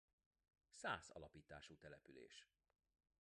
Szász alapítású település.